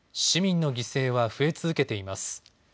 市民の犠牲は増え続けています。